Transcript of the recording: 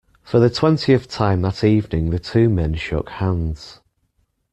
For the twentieth time that evening the two men shook hands.